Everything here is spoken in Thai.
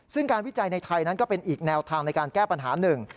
ซึ่งการวิจัยในไทยนั้นก็เป็นอีกแนวทางในการแก้ปัญหาหนึ่ง